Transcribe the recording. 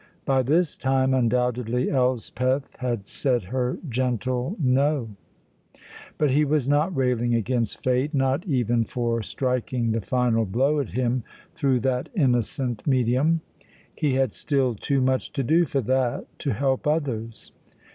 By this time, undoubtedly, Elspeth had said her gentle No; but he was not railing against Fate, not even for striking the final blow at him through that innocent medium. He had still too much to do for that to help others.